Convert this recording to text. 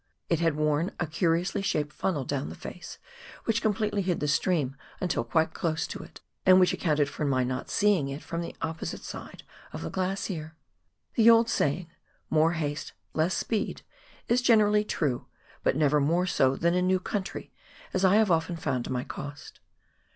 It had worn a curiously shaped funnel down the face, which completely hid the stream until quite close to it, and which accounted for my not seeing it from the opposite side of the glacier. The old saying, "More haste, less speed," is generally true, but never more so than in new country, as I have often found to my cost.